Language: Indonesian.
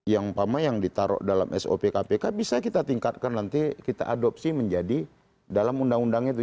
yang ditaruh dalam sop kpk bisa kita tingkatkan nanti kita adopsi menjadi dalam undang undang itu